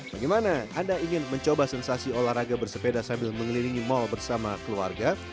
bagaimana anda ingin mencoba sensasi olahraga bersepeda sambil mengelilingi mal bersama keluarga